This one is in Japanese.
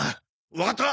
わかった！